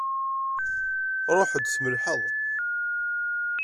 Ṛuḥ ad tmellḥeḍ!